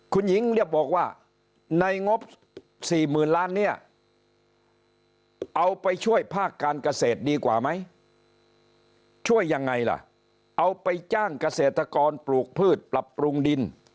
คุณหญิงบอกว่าในงบ๔๐๐๐ล้านเนี่ยเอาไปช่วยภาคการเกษตรดีกว่าไหมช่วยยังไงล่ะเอาไปจ้างเกษตรกรปลูกพืชปรับปรุงดิน